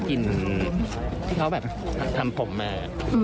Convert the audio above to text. กลิ่นที่เขาแบบทำผมมา